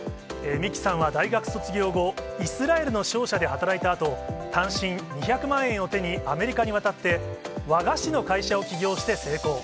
三木さんは大学卒業後、イスラエルの商社で働いたあと、単身、２００万円を手に、アメリカに渡って、和菓子の会社を起業して成功。